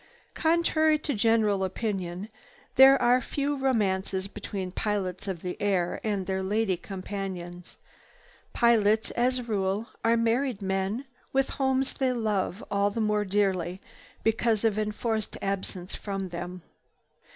Contrary to general opinion, there are few romances between pilots of the air and their lady companions. Pilots, as a rule, are married men with homes they love all the more dearly because of enforced absence from them.